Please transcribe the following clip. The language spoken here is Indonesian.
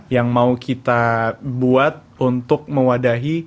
yang mau kita buat untuk mewadahi